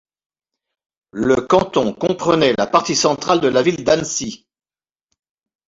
Le canton comprenait la partie centrale de la ville d'Annecy.